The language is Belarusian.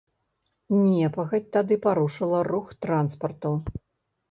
Непагадзь тады парушыла рух транспарту.